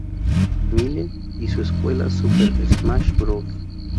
Melee y su secuela, Super Smash Bros.